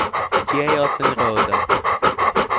Tgi ei oz en roda?